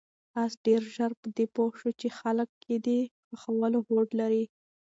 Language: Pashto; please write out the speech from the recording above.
آس ډېر ژر په دې پوه شو چې خلک یې د ښخولو هوډ لري.